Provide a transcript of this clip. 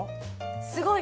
すごい。